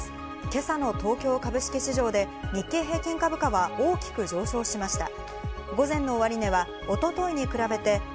今朝の東京株式市場で日経平均株価は大きく上昇しました。